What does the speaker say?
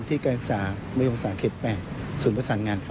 การศึกษามโยงศาสเขต๘ศูนย์ประสานงานครับ